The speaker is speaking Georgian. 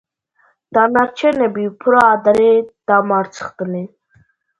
დანარჩენები უფრო ადრე დამარცხდნენ.